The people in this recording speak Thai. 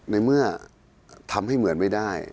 ในเมื่อทำให้เหมือนไม่ได้